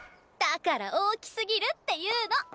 だから大きすぎるっていうの！